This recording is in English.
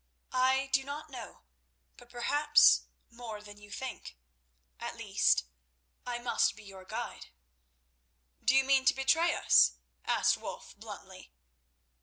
"I do not know, but perhaps more than you think. At least, I must be your guide." "Do you mean to betray us?" asked Wulf bluntly.